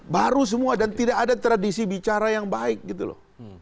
baru semua dan tidak ada tradisi bicara yang baik gitu loh